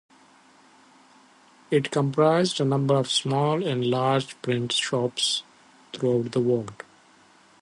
It comprised a number of small and large print shops throughout the world.